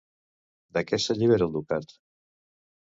De què s'allibera el ducat?